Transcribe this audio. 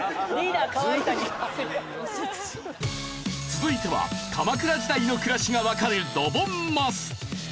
続いては鎌倉時代の暮らしがわかるドボンマス。